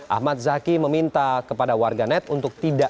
ahmad zaki meminta kepada warganet untuk tidak